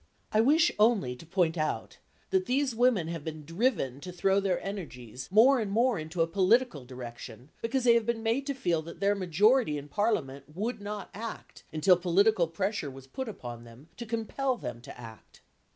I wish only to point out that these women have been driven to throw their energies more and more into a political direction because they have been made to feel that their majority in Parliament would not act until political pressure was put upon them to compel them to act.